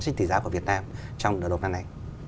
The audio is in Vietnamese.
trách tỷ giá của việt nam trong đợt năm nay